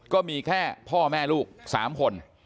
ก็มีแค่พ่อแม่ลูก๓คน